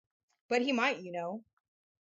But he might, you know.